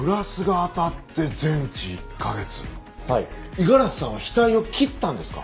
五十嵐さんは額を切ったんですか？